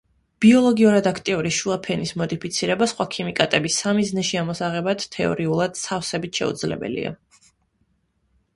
ბიოლოგიურად აქტიური შუა ფენის მოდიფიცირება სხვა ქიმიკატების სამიზნეში ამოსაღებად, თეორიულად, სავსებით შესაძლებელია.